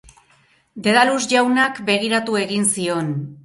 Dedalus jaunak begiratu egin zion.